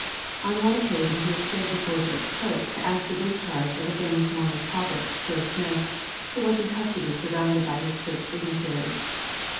On one occasion he appeared before Judge Pope to ask the discharge of the famous Mormon Prophet, Joe Smith, who was in custody surrounded by his church dignitaries.